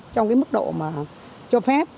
trong mức độ cho phép